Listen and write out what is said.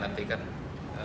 nanti hasil hasil yang lain